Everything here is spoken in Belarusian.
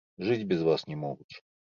Жыць без вас не могуць.